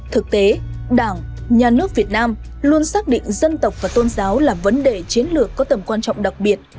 thực tế đảng nhà nước việt nam luôn xác định dân tộc và tôn giáo là vấn đề chiến lược có tầm quan trọng đặc biệt